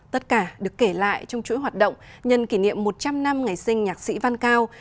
tất cả được kể lại trong chuỗi hoạt động nhân kỷ niệm một trăm linh năm ngày sinh nhạc sĩ văn cao